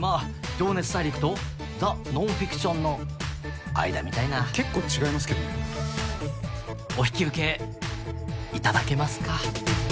「情熱大陸」と「ザ・ノンフィクション」の間みたいな結構違いますけどねお引き受けいただけますか？